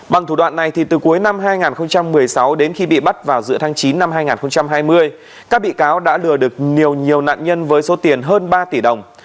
bằng thủ đoạn này từ cuối năm hai nghìn một mươi sáu đến khi bị bắt vào giữa tháng chín năm hai nghìn hai mươi các bị cáo đã lừa được nhiều nạn nhân với số tiền hơn ba tỷ đồng